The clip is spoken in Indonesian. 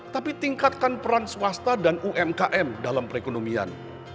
tapi tingkatkan peran swasta dan umkm dalam perekonomian